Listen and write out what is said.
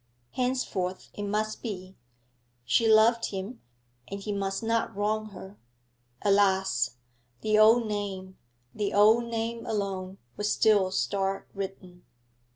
Henceforth it must be; she loved him, and he must not wrong her. Alas! the old name, the old name alone, was still star written....